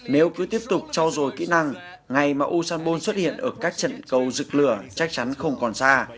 nếu cứ tiếp tục cho dồi kỹ năng ngày mà usain bolt xuất hiện ở các trận cầu giựt lửa chắc chắn không còn xa